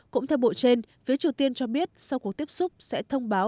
cũng theo bộ trên phía triều tiên cho biết sau cuộc tiếp xúc sẽ thông báo